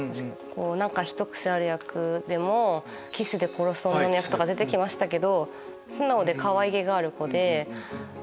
ひと癖ある役でもキスで殺す女の役出ましたけど。